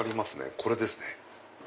これですね。